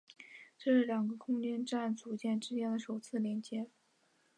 这是两个空间站组件之间的首次连接。